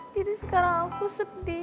jadi sekarang aku gak mau jawab dia lagi boy